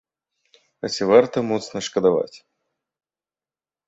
І ці варта моцна шкадаваць?